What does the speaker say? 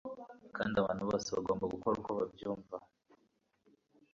kandi abantu bose bagomba gukora uko babyumva